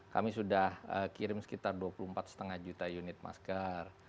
kami sudah kirim sekitar dua puluh empat lima juta unit masker